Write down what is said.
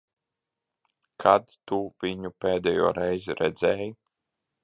Kad tu viņu pēdējoreiz redzēji?